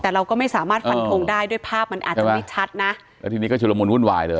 แต่เราก็ไม่สามารถฟันทงได้ด้วยภาพมันอาจจะไม่ชัดนะแล้วทีนี้ก็ชุดละมุนวุ่นวายเลย